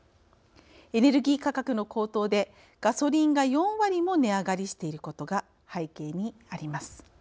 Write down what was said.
エネルギー価格の高騰でガソリンが４割も値上がりしていることが背景にあります。